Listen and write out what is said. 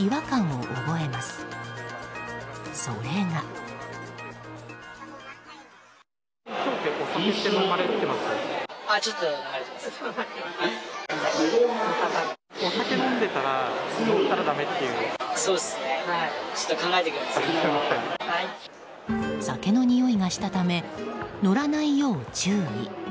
酒のにおいがしたため乗らないよう注意。